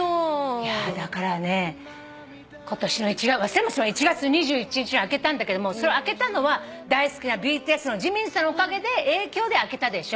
いやだからね忘れもしません１月の２１日に開けたんだけどもそれを開けたのは大好きなＢＴＳのＪＩＭＩＮさんのおかげで影響で開けたでしょ。